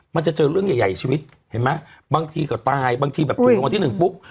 มันจะเจอเรื่องใหญ่ชีวิตเห็นไหมบางทีก็ตายบางทีแบบถูกรางวัลที่หนึ่งปุ๊บ